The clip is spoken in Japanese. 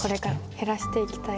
減らしていきたい。